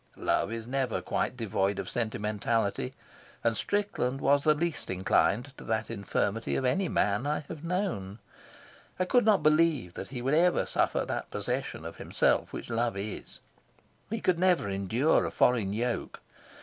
Love is never quite devoid of sentimentality, and Strickland was the least inclined to that infirmity of any man I have known. I could not believe that he would ever suffer that possession of himself which love is; he could never endure a foreign yoke.